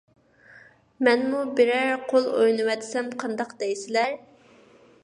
مەنمۇ بىرەر قول ئوينىۋەتسەم قانداق دەيسىلەر!